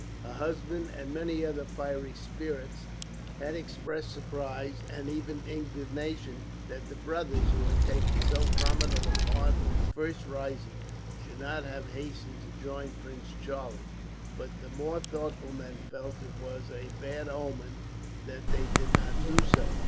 Her husband, and many other fiery spirits, had expressed surprise and even indignation that the brothers, who had taken so prominent a part in the first rising, should not have hastened to join Prince Charlie; but the more thoughtful men felt it was a bad omen that they did not do so.